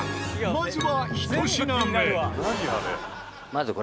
まずは１品目。